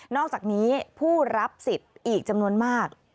อกจากนี้ผู้รับสิทธิ์อีกจำนวนมาก